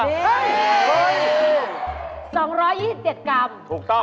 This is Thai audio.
อุ๊ย๒๒๗กรัมถูกต้อง